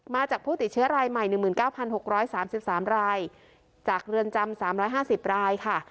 มาจากผู้ติดเชื้อรายใหม่หนึ่งหมื่นเก้าพันหกร้อยสามสิบสามรายจากเรือนจำสามร้อยห้าสิบรายค่ะ